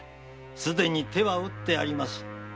すでに手はうってあります。